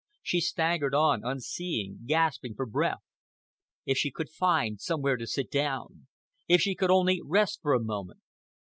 She staggered on, unseeing, gasping for breath. If she could find somewhere to sit down! If she could only rest for a moment!